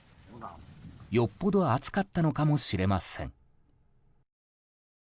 よっぽど暑かったのかもしれません。